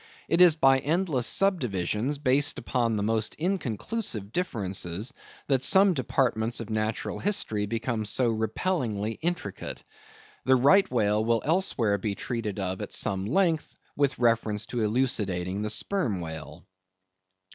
It is by endless subdivisions based upon the most inconclusive differences, that some departments of natural history become so repellingly intricate. The right whale will be elsewhere treated of at some length, with reference to elucidating the sperm whale.